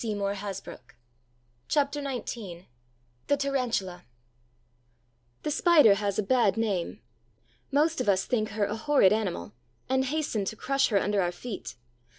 CHAPTER XIX THE TARANTULA The Spider has a bad name: most of us think her a horrid animal, and hasten to crush her under our feet.